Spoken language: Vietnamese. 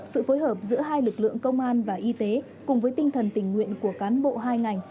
sự phối hợp giữa hai lực lượng công an và y tế cùng với tinh thần tình nguyện của cán bộ hai ngành